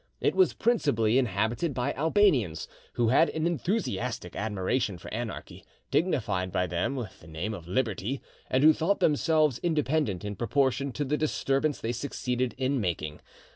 It was principally inhabited by Albanians, who had an enthusiastic admiration for anarchy, dignified by them with the name of "Liberty," and who thought themselves independent in proportion to the disturbance they succeeded in making.